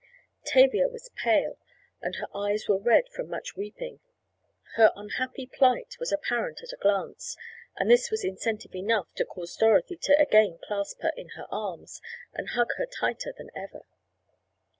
Tavia was pale, and her eyes were red from much weeping. Her unhappy plight was apparent at a glance, and this was incentive enough to cause Dorothy to again clasp her in her arms and hug her tighter than ever.